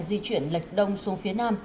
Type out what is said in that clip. di chuyển lệch đông xuống phía nam